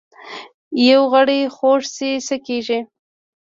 یو غړی خوږ شي څه کیږي؟